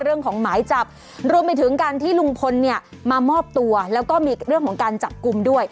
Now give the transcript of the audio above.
เรื่องของหมายจับรวมไปถึงการที่ลุงพลเนี่ยมามอบตัวแล้วก็มีเรื่องของการจับกลุ่มด้วย